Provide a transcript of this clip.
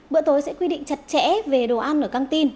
bữa tối sẽ quy định chặt chẽ về đồ ăn ở căng tin